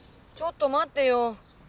ちょっと待ってよ。